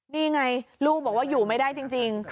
นี่ไงลูกบอกว่าอยู่ไม่ได้จริง